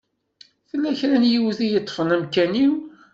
Tella kra n yiwet i yeṭṭfen amkan-iw.